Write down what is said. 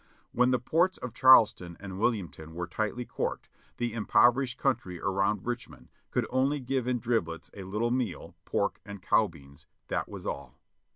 When the ports of Charleston and Wilmington were tightly corked, the impoverished country around Richmond could only give in driblets a little meal, pork and cow beans, that was all.